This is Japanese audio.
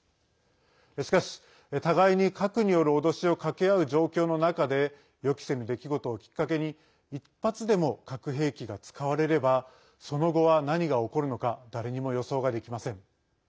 しかし、互いに核による脅しをかけあう状況の中で予期せぬ出来事をきっかけに１発でも核兵器が使われればその後は何が起こるのか誰にも予想ができません。